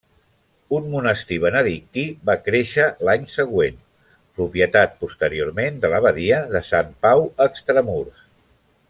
Un monestir benedictí va créixer l'any següent, propietat posteriorment de l'abadia de Sant Pau Extramurs.